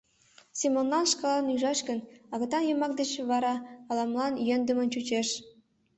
Семонлан шкалан ӱжаш гын, агытан йомак деч вара ала-молан йӧндымын чучеш.